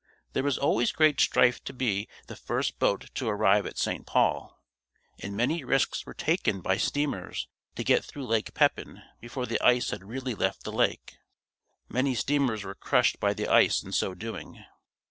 There was always great strife to be the first boat to arrive at St. Paul and many risks were taken by steamers to get through Lake Pepin before the ice had really left the lake. Many steamers were crushed by the ice in so doing.